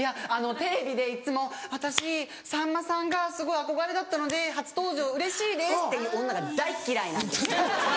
テレビでいっつも「私さんまさんがすごい憧れだったので初登場うれしいです」って言う女が大嫌いなんですよ。